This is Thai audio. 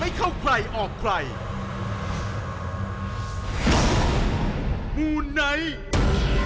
สำหรับแฟนแฟนรายการมูนั๊ยของเรามาซึ่งเราเลือกมาส่ง๒๐กว่าท่าน